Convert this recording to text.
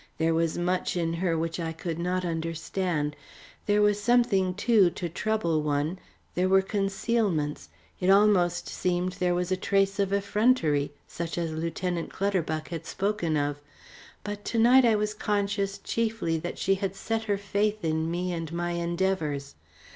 There was much in her which I could not understand. There was something, too, to trouble one, there were concealments, it almost seemed there was a trace of effrontery such as Lieutenant Clutterbuck had spoken of; but to night I was conscious chiefly that she set her faith in me and my endeavours.